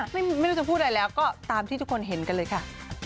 ไม่รู้จะพูดอะไรแล้วก็ตามที่ทุกคนเห็นกันเลยค่ะ